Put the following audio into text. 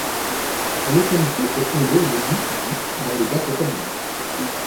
La localité est fondée au début du dans le Dakota du Nord.